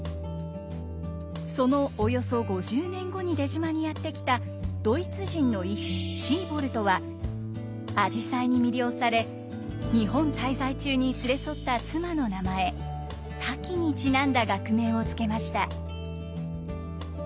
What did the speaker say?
そのおよそ５０年後に出島にやって来たドイツ人の医師シーボルトはあじさいに魅了され日本滞在中に連れ添った妻の名前「滝」にちなんだ学名を付けました。